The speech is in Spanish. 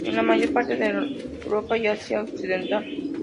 En la mayor parte de Europa y en Asia occidental.